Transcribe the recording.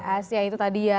as ya itu tadi ya